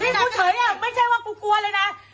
กูเฉยไม่ใช่ว่ากูกลัวเลยนะ